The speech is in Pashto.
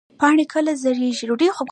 پاڼې کله ژیړیږي؟